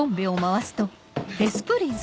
デス・プリンス。